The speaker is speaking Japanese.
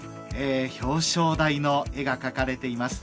表彰台の絵が、かかれています。